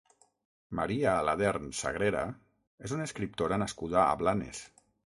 Maria Aladern Sagrera és una escriptora nascuda a Blanes.